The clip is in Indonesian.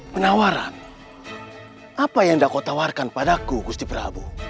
penawaran apa yang dako tawarkan padaku gusti prabu